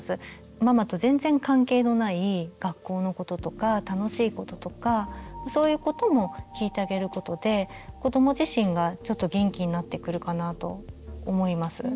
ママと全然関係のない学校のこととか楽しいこととかそういうことも聞いてあげることで子ども自身がちょっと元気になってくるかなと思います。